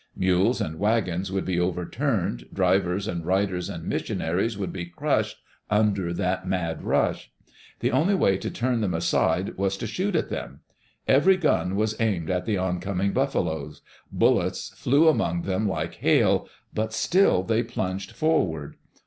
Mules and wagons would be over turned, drivers and riders and missionaries would be crushed under that mad rush. The only way to turn them aside was to shoot at them. Every gun was aimed at the oncoming buffaloes. Bullets flew among them like hail, but still they plunged forward.